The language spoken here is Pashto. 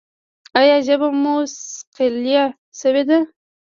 ایا ژبه مو ثقیله شوې ده؟